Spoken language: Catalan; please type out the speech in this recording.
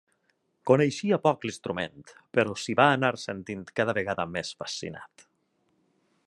Coneixia poc l'instrument, però s'hi va anar sentint cada vegada més fascinat.